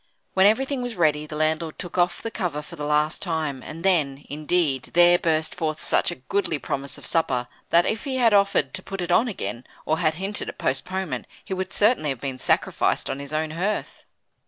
When everything was ready, the landlord took off the cover for the last time, and then, indeed, there burst forth such a goodly promise of supper, that if he had offered to put it on again or had hinted at postponement, he would certainly have been sacrificed on his own hearth.